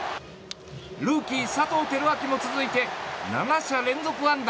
ルーキー、佐藤輝明も続いて７者連続安打。